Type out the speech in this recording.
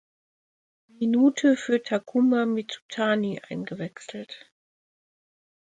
Minute für Takuma Mizutani eingewechselt.